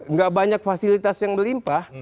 nggak banyak fasilitas yang melimpah